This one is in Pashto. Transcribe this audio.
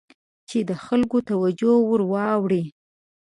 چې د خلکو توجه ور واړوي.